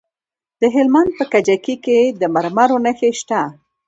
د هلمند په کجکي کې د مرمرو نښې شته.